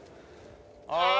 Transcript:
ああ！